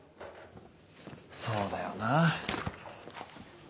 そうだよな。